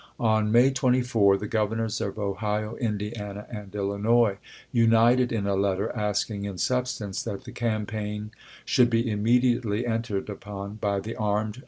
On May 24 the i^ei. Governors of Ohio, Indiana, and Illinois, united in a letter, asking, in substance, that the campaign should be immediately entered upon, by the armed Denmeon.